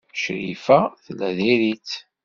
Crifa tella diri-tt.